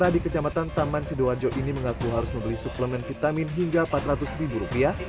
di kecamatan taman sidoarjo ini mengaku harus membeli suplemen vitamin hingga empat ratus ribu rupiah